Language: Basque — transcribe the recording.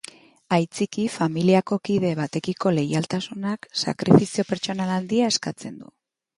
Aitzitik, familiako kide batekiko leialtasunak sakrifizio pertsonal handia eskatzen du.